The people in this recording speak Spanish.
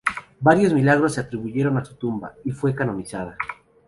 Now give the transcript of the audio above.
Varios milagros se atribuyeron a su tumba, y fue canonizada.